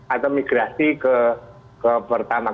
atau migrasi ke pertama